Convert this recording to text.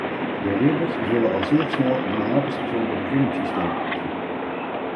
De reders zullen al zeer snel die havens zonder vergunningensysteem opzoeken.